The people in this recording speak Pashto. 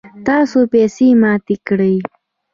تاسو پیسی ماتی کړئ